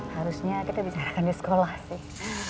harusnya kita bicarakan di sekolah sih